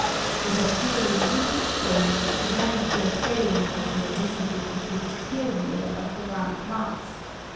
We have here in new picturing, humanity at bay, as in the recently completed Kyrie of the grand mass.